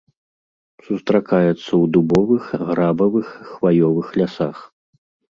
Сустракаецца ў дубовых, грабавых, хваёвых лясах.